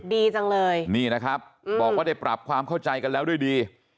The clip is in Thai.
ดีจังเลยนี่นะครับบอกว่าได้ปรับความเข้าใจกันแล้วด้วยดี